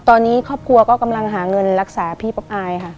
ตอนนี้ครอบครัวก็กำลังหาเงินรักษาพี่ป๊อปอายค่ะ